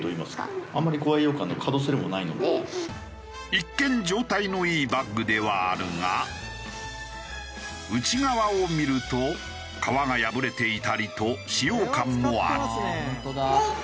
一見状態のいいバッグではあるが内側を見ると革が破れていたりと使用感もある。